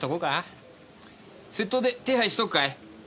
窃盗で手配しとくかい？